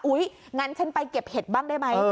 งั้นฉันไปเก็บเห็ดบ้างได้ไหม